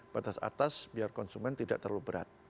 batas atas biar konsumen tidak terlalu berat